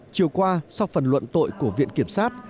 chiều qua sau phần luận tội của viện kiểm sát